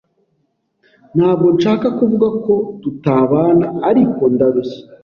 Ntabwo nshaka kuvuga ko tutabana, ariko ndarushye.